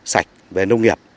sạch về nông nghiệp